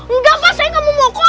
enggak pak saya gak mau moko